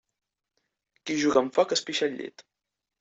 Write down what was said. Qui juga amb foc es pixa al llit.